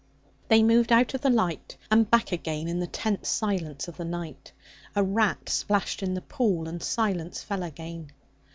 They moved out of the light and back again in the tense silence of the night. A rat splashed in the pool, and silence fell again.